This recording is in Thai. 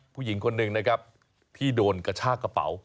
ผู้หญิงคนหนึ่งนะครับที่โดนกระชากระเป๋า